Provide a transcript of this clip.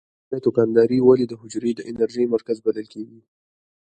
مایتوکاندري ولې د حجرې د انرژۍ مرکز بلل کیږي؟